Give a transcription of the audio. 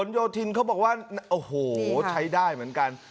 โยธินเขาบอกว่าโอ้โหใช้ได้เหมือนกัน